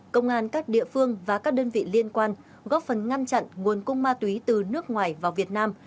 công an các địa phương và các đơn vị liên quan góp phần ngăn chặn nguồn cung ma túy từ nước ngoài vào việt nam